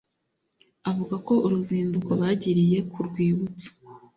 avuga ko uruzinduko bagiriye ku rwibutso